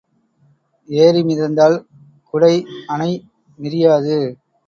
ஏரி மிதந்தால் குடை அணை மிறியாது.